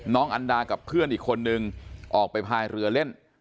อันดากับเพื่อนอีกคนนึงออกไปพายเรือเล่น